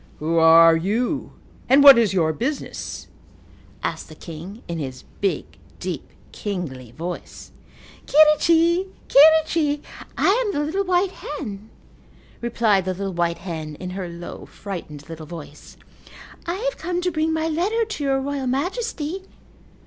"Who are you and what is your business?" asked the king in his big, deep, kingly voice. "Quirrichi, quirrichi, I am the little white hen," replied the little white hen in her low, frightened, little voice. "I have come to bring my letter to your royal majesty."